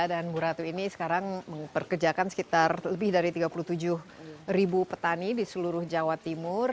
dan bu ratu ini sekarang memperkejakan sekitar lebih dari tiga puluh tujuh ribu petani di seluruh jawa timur